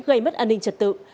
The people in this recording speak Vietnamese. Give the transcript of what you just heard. gây mất an ninh trật tự